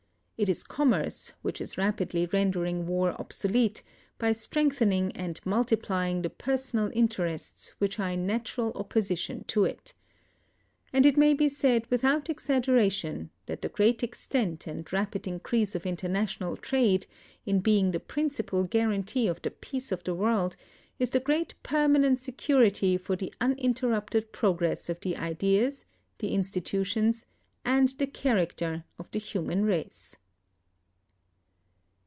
It is commerce which is rapidly rendering war obsolete, by strengthening and multiplying the personal interests which are in natural opposition to it. And it may be said without exaggeration that the great extent and rapid increase of international trade, in being the principal guarantee of the peace of the world, is the great permanent security for the uninterrupted progress of the ideas, the institutions, and the character of the human race.